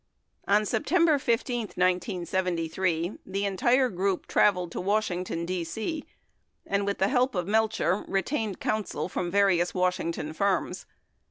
On September 15, 1973, the entire group traveled to Washington, D.C., and, with the help of Melcher, retained counsel from various Washington firms.